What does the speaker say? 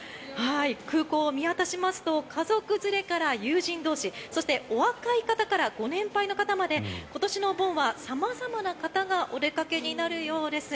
空港、見渡しますと家族連れから友人同士そしてお若い方からご年配の方まで今年のお盆は様々な方がお出かけになるようです。